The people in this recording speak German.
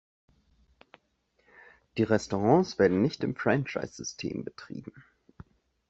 Die Restaurants werden nicht im Franchise-System betrieben.